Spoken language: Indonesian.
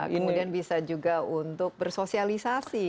kemudian bisa juga untuk bersosialisasi